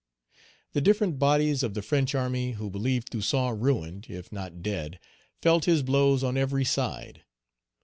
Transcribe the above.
The different bodies of the French army, who believed Toussaint ruined, if not dead, felt his blows on every side.